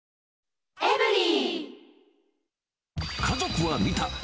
家族は見た！